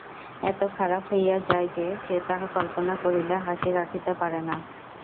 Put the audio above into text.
এত খারাপ হইয়া যায় যে, সে তাহা কল্পনা করিলে হাসি রাখিতে পারে না।